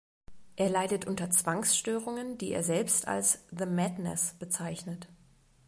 Er leidet unter Zwangsstörungen, die er selbst als „The Madness“ bezeichnet.